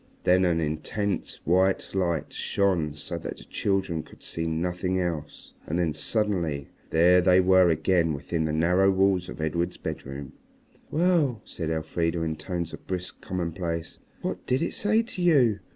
Then an intense white light shone so that the children could see nothing else. And then suddenly there they were again within the narrow walls of Edred's bedroom. "Well," said Elfrida in tones of brisk commonplace, "what did it say to you?